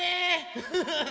フフフフ。